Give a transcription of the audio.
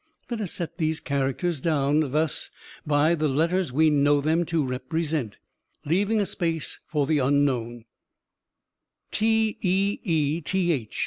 Let us set these characters down, thus, by the letters we know them to represent, leaving a space for the unknown t eeth.